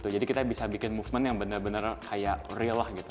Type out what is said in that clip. jadi kita bisa bikin movement yang benar benar kayak real lah gitu